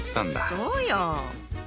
そうよ。